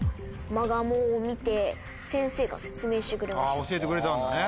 あぁ教えてくれたんだね。